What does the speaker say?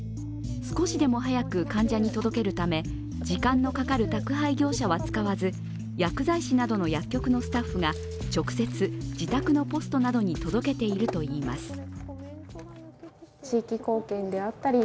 少しでも早く患者に届けるため時間のかかる宅配業者は使わず薬剤師などの薬局のスタッフが直接自宅のポストなどに届けているといいます。